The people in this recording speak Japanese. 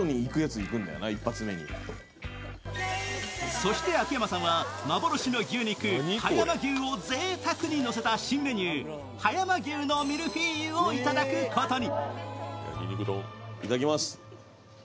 そして秋山さんは幻の牛肉・葉山牛をぜいたくにのせた新メニュー、葉山牛のミルフィーユをいただくことに。